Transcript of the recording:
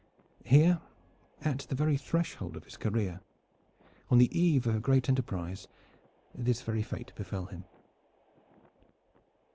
Here at the very threshold of his career, on the eve of a great enterprise, this very fate befell him.